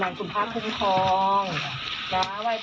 จ๊ะจ๊ะนั่นดี